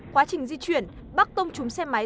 quá trình di chuyển bác tông trúng xe máy